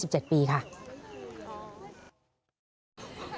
ไม่มีคืน